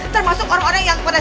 termasuk orang orang yang kepada